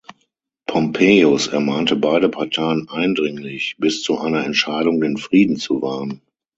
Pompeius ermahnte beide Parteien eindringlich, bis zu einer Entscheidung den Frieden zu wahren.